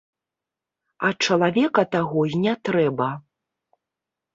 А чалавека таго і не трэба.